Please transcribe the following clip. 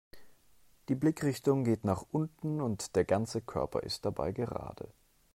Die Blickrichtung geht nach unten und der ganze Körper ist dabei gerade.